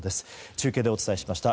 中継でお伝えしました。